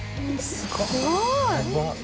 すごい！